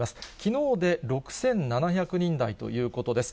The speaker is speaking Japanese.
きのうで６７００人台ということです。